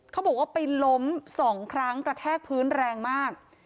เขาบอกว่าไปล้มสองครั้งกระแทกพื้นแรงมาก